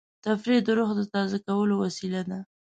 تفریح د روح د تازه کولو وسیله ده.